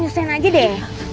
nyusun aja deh